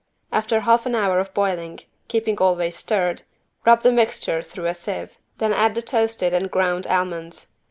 After half an hour of boiling, keeping always stirred, rub the mixture through a sieve. Then add the toasted and ground almonds.